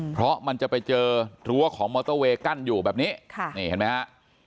เพราะมันจะไปเจอรั้วของมอเตอร์เวย์กั้นอยู่แบบนี้ค่ะนี่เห็นไหมฮะ